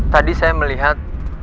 tadi saya melihat